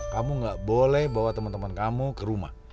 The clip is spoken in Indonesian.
kamu gak boleh bawa temen temen kamu ke rumah